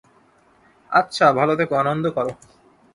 আচ্ছা, ভালো থেকো, আনন্দ কর।